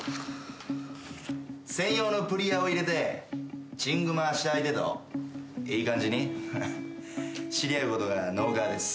専用のプリアを入れてチングマした相手といい感じに知り合うことがノーカーです。